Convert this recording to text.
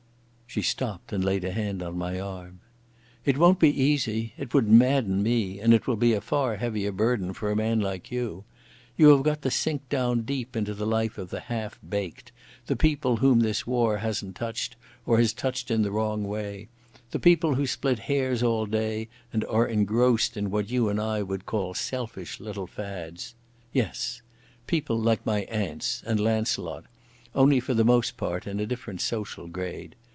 She stopped and laid a hand on my arm. "It won't be easy. It would madden me, and it will be a far heavier burden for a man like you. You have got to sink down deep into the life of the half baked, the people whom this war hasn't touched or has touched in the wrong way, the people who split hairs all day and are engrossed in what you and I would call selfish little fads. Yes. People like my aunts and Launcelot, only for the most part in a different social grade.